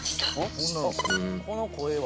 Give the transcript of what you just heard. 「この声は？」